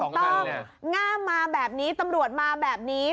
ตรงตรงง่ามมาตำรวจมาแบบนี้